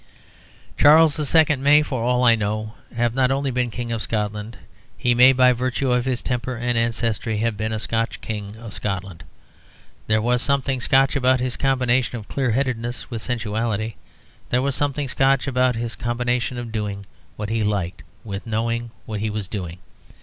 Charles II. may, for all I know, have not only been King of Scotland; he may, by virtue of his temper and ancestry, have been a Scotch King of Scotland. There was something Scotch about his combination of clear headedness with sensuality. There was something Scotch about his combination of doing what he liked with knowing what he was doing.